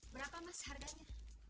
berapa mas harganya